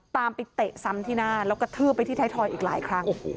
ตามไปเตะซ้ำที่หน้าแล้วกระทืบไปที่ไทยทอยอีกหลายครั้ง